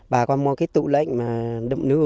bà con mua cái tụ lệnh mà đậm nước